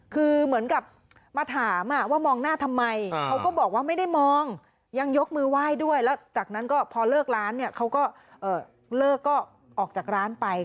คือเหมือนกับมาถามว่ามองหน้าทำไมเขาก็บอกว่าไม่ได้มองยังยกมือไหว้ด้วยแล้วจากนั้นก็พอเลิกร้านเนี่ยเขาก็เลิกก็ออกจากร้านไป